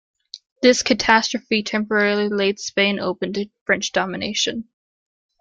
This catastrophe temporarily laid Spain open to French domination.